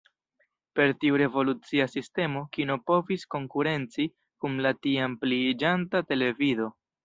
Per tiu revolucia sistemo kino povis konkurenci kun la tiam pliiĝanta televido.